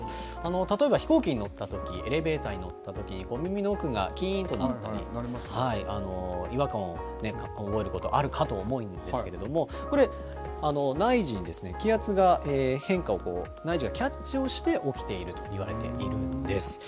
例えば飛行機に乗ったとき、エレベーターに乗ったときに、耳の奥がきーんとなった場合、違和感を覚えることあるかと思うんですけれども、これ、内耳に気圧が変化を、内耳がキャッチをして起きているといわれているんです。